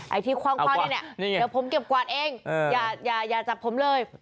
ไอ้ที่คว่างควายนี่เนี่ยเดี๋ยวผมเก็บกวาดเองอย่าจับผมเลย